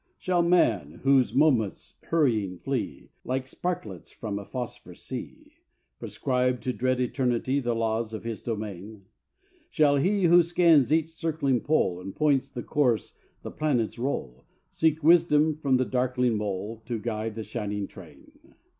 Shall man, whose moments hurrying flee, Like sparklets from a phosphor sea, Prescribe to dread Eternity The laws of His domain? Shall He who scans each circling pole, And points the course the planets roll, Seek wisdom from the darkling mole To guide the shining train?